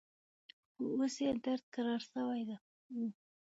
خو اوس يې درد کرار سوى و.